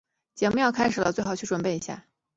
节目要开始了，最好去准备一下。